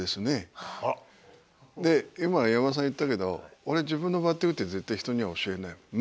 今山田さん言ったけど俺自分のバッティングって絶対人には教えない。